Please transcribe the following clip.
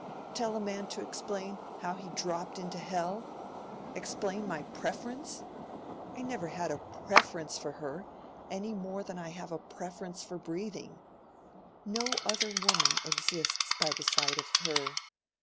Tell a man to explain how he dropped into hell! Explain my preference! I never had a preference for her, any more than I have a preference for breathing. No other woman exists by the side of her.